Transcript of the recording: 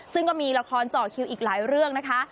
ซึ่งก็มีละครเจาะคิวอีกหลายเรื่องนะคะ